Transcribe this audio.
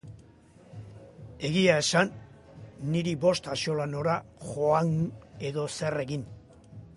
Egia esan, niri bost axola nora joan edo zer egin!